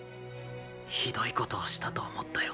酷いことをしたと思ったよ。